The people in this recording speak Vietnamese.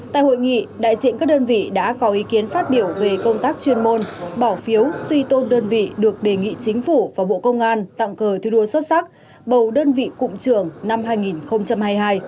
tại hội nghị đại diện các đơn vị đã có ý kiến phát biểu về công tác chuyên môn bỏ phiếu suy tôn đơn vị được đề nghị chính phủ và bộ công an tặng cờ thi đua xuất sắc bầu đơn vị cụm trưởng năm hai nghìn hai mươi hai